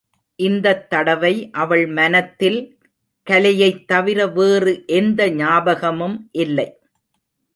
இந்தத் தடவை அவள் மனத்தில் கலையைத் தவிர வேறு எந்த ஞாபகமும் இல்லை.